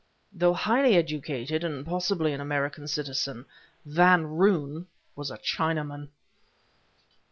Though highly educated, and possibly an American citizen, Van Roon was a Chinaman!